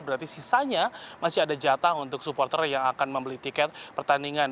berarti sisanya masih ada jatah untuk supporter yang akan membeli tiket pertandingan